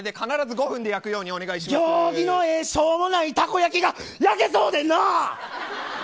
行儀のええしょうもないたこ焼きが焼けそうでんな。